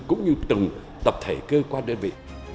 cũng như từng tập thể cơ quan đơn vị